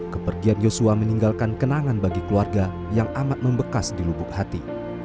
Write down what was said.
kepergian yosua meninggalkan kenangan bagi keluarga yang amat membekas di lubuk hati